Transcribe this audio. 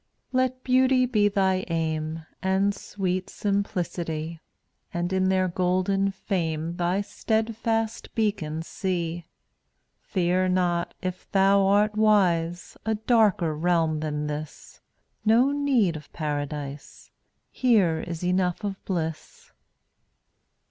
179 Let beauty be thy aim And sweet Simplicity, And in their golden fame Thy steadfast beacon see. Fear not, if thou art wise, A darker realm than this; No need of paradise, Here is enough of bliss.